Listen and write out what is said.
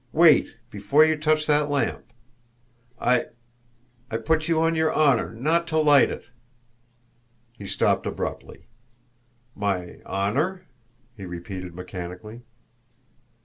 "Wait, before you touch that lamp! I I put you on your honour not to light it." He stopped abruptly. "My honour?" he repeated mechanically.